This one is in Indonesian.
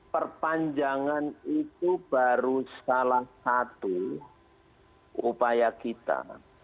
perpanjangan itu baru salah satu upaya kita